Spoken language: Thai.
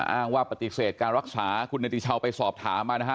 อ้างว่าปฏิเสธการรักษาคุณเนติชาวไปสอบถามมานะฮะ